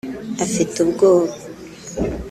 afite ubwoba